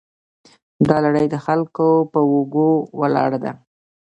دا لړۍ د خلکو په اوږو ولاړه ده.